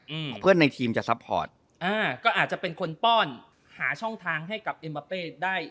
อืมเพื่อนในทีมจะซัพพอร์ตอ่าก็อาจจะเป็นคนป้อนหาช่องทางให้กับเอ็มมาเป้ได้